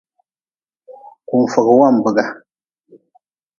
Kunfogwambga.